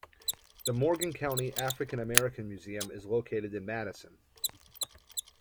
The Morgan County African American Museum is located in Madison.